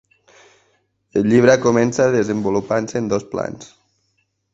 El llibre comença desenvolupant-se en dos plans.